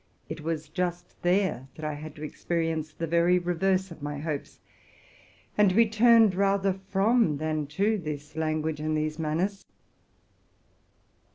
it was just there that I had to experience the very reverse of my hopes, and to be turned rather from than to this language and these manners.